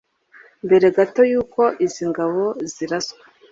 Mbere gato y’uko izi ngabo ziraswa